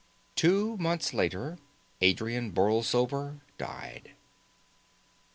Two months later Adrian Borlsover died.